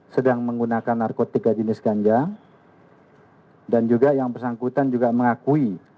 sedang menggunakan narkotika jenis ganja dan juga yang bersangkutan juga mengakui